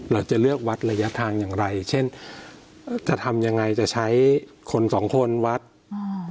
เราจะเลือกวัดระยะทางอย่างไรเช่นจะทำยังไงจะใช้คนสองคนวัดอ่า